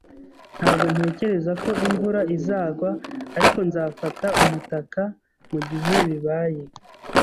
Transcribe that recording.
Ntabwo ntekereza ko imvura izagwa, ariko nzafata umutaka mugihe bibaye